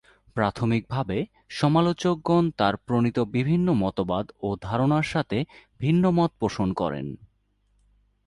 প্রাথমিকভাবে সমালোচকগণ তার প্রণীত বিভিন্ন মতবাদ ও ধারণার সাথে ভিন্নমত পোষণ করেন।